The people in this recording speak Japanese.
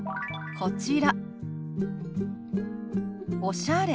こちら。